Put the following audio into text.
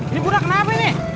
ini burang kenapa ini